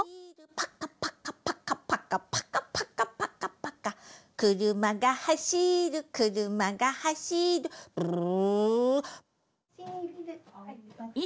「パカパカパカパカパカパカパカパカ」「くるまがはしるくるまがはしる」「ブルルル」